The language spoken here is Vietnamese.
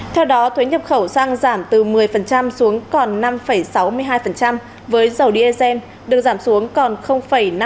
theo đó thuế nhập khẩu xăng giảm từ một mươi xuống còn năm sáu mươi hai với dầu diesel được giảm xuống còn năm mươi